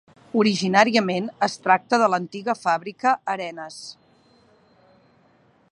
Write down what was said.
Originàriament es tracta de l'antiga fàbrica Arenes.